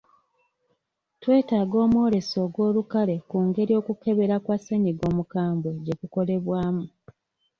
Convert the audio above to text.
Twetaaga omwoleso ogw'olukale ku ngeri okukebera kwa ssenyiga omukwambwe gye kukolebwamu.